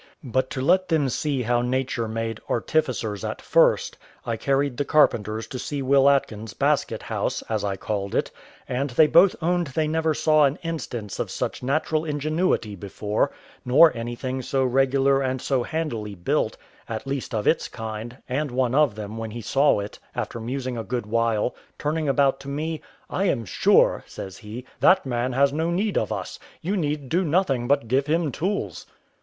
But to let them see how nature made artificers at first, I carried the carpenters to see Will Atkins' basket house, as I called it; and they both owned they never saw an instance of such natural ingenuity before, nor anything so regular and so handily built, at least of its kind; and one of them, when he saw it, after musing a good while, turning about to me, "I am sure," says he, "that man has no need of us; you need do nothing but give him tools."